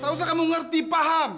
gak usah kamu ngerti paham